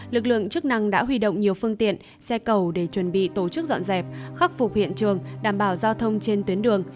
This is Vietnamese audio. lực lượng chức năng đã huy động nhiều phương tiện xe cầu để chuẩn bị tổ chức dọn dẹp khắc phục hiện trường đảm bảo giao thông trên tuyến đường